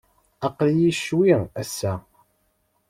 Aql-iyi ccwi, ass-a.